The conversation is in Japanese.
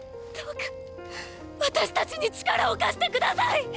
どうか私たちに力を貸して下さい！！